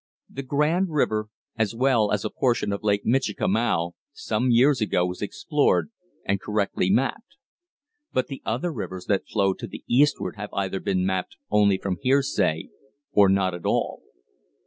The Grand River, as well as a portion of Lake Michikamau, some years ago was explored and correctly mapped; but the other rivers that flow to the eastward have either been mapped only from hearsay or not at all.